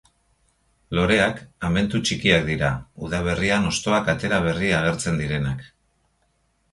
Loreak amentu txikiak dira, udaberrian hostoak atera berri agertzen direnak.